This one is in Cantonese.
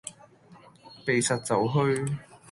避實就虛